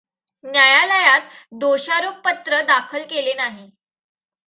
न्यायालयात दोषारोपपत्र दाखल केले नाही.